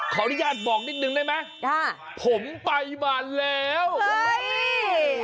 ขออนุญาตบอกนิดนึงได้ไหมจ้ะผมไปมาแล้วเฮ้ย